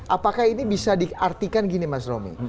apakah ini bisa diartikan gini mas romi